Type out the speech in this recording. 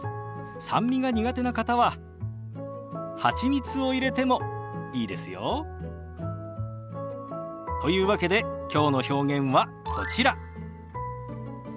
酸味が苦手な方ははちみつを入れてもいいですよ。というわけできょうの表現はこちら。